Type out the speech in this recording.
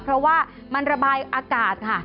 เพราะว่ามันระบายอากาศค่ะ